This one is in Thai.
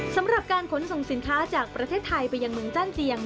สำหรับการขนส่งสินค้าจากประเทศไทยไปยังเมืองจ้านเจียง